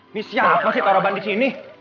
ini siapa sih taro ban disini